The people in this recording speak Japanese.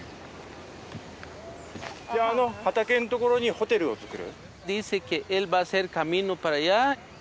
じゃああの畑のところにホテルを作る？